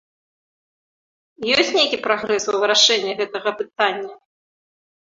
Ёсць нейкі прагрэс у вырашэнні гэтага пытання?